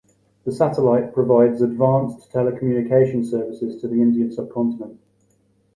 The satellite provides advanced telecommunication services to the Indian subcontinent.